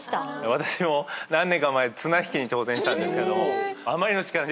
私も何年か前綱引きに挑戦したんですけどあまりの力に。